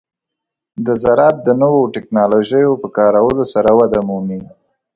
د زراعت د نوو ټکنالوژیو په کارولو سره وده مومي.